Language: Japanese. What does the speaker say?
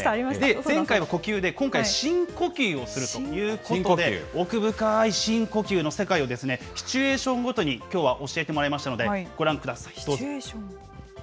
前回は呼吸で、深呼吸をするということで、奥深い深呼吸の世界をシチュエーションごとにきょうは教えてもらいましたので、ご覧ください。